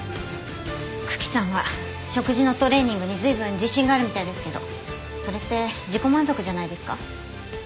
九鬼さんは食事のトレーニングに随分自信があるみたいですけどそれって自己満足じゃないですか？